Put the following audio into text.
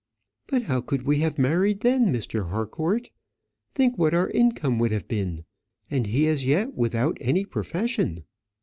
"But how could we have married then, Mr. Harcourt? Think what our income would have been; and he as yet without any profession!"